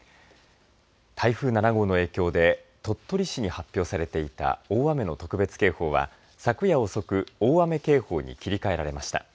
台風７号の影響で鳥取市に発表されていた大雨の特別警報は昨夜遅く大雨警報に切り替えられました。